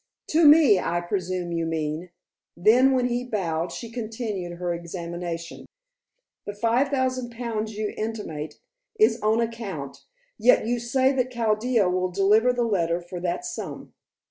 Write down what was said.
"To me, I presume you mean;" then when he bowed, she continued her examination. "The five thousand pounds you intimate is on account, yet you say that Chaldea will deliver the letter for that sum."